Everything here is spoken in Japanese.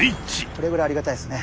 これぐらいがありがたいですね。